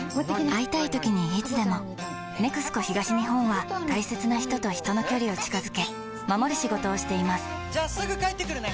会いたいときにいつでも「ＮＥＸＣＯ東日本」は大切な人と人の距離を近づけ守る仕事をしていますじゃあすぐ帰ってくるね！